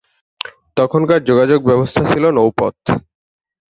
তখনকার যোগাযোগ ব্যবস্থা ছিল নৌপথ।